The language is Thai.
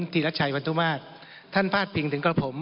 ธิรัชชัยพันธุมาตรท่านภาษภิกษ์ถึงกับผม